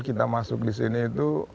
kita masuk disini itu